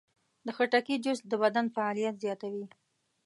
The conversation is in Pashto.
د خټکي جوس د بدن فعالیت زیاتوي.